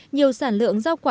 nhiều sản lượng do quả sản xuất